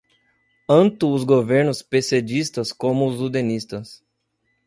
anto os governantes pessedistas como os udenistas